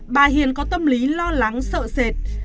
bà hiền có tâm lý lo lắng sợ sệt